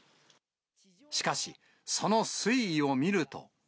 しかし、その水位を見ると。